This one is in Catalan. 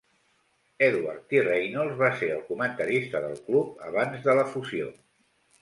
Edward T. Reynolds va ser el comentarista del club abans de la fusió.